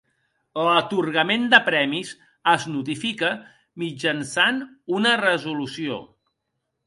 L'atorgament de premis es notifica mitjançant una resolució.